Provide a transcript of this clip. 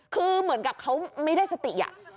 คือเหมือนกับเขาไม่ได้สติ